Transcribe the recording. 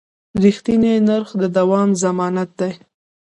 رښتیني نرخ د دوام ضمانت دی.